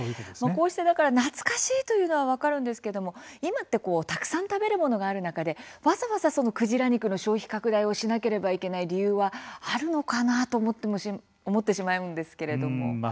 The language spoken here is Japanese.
こうして、懐かしいというのは分かるんですけれども今ってたくさん食べるものがある中で、わざわざクジラ肉の消費拡大をしなければいけない理由はあるのかなと思ってしまうんですけれども。